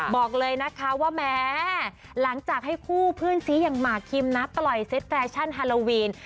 บอกเลยนะคะว่าแม้หลังจากให้คู่เพื่อนซีอย่างหมากคิมนะปล่อยเซตแฟชั่นฮาโลวีน